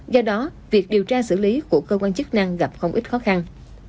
do đó việc điều tra xử lý của cơ quan chức năng gặp không ít khó khăn